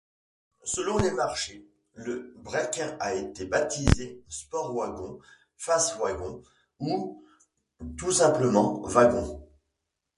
Selon les marchés, le break a été baptisé SportsWagon, FastWagon ou tout simplement Wagon.